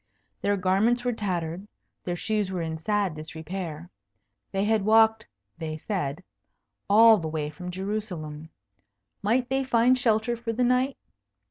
Their garments were tattered, their shoes were in sad disrepair. They had walked (they said) all the way from Jerusalem. Might they find shelter for the night?